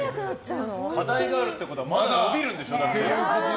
課題があるってことはまだ伸びるんでしょ。